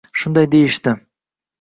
— shunday deyishdi.